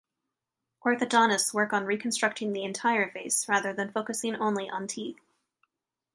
Orthodontists work on reconstructing the entire face rather than focusing only on teeth.